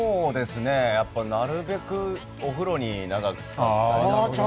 なるべくお風呂に長くつかったりだとか。